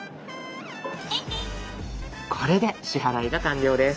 これで支払いが完了です。